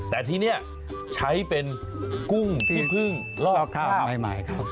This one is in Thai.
แต่ที่นี้ใช้เป็นกุ้งที่เพิ่งลอกคราบ